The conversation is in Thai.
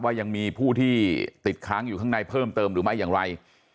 ยังมีผู้ที่ติดค้างอยู่ข้างในเพิ่มเติมหรือไม่อย่างไร